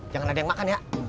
jangan ada yang makan ya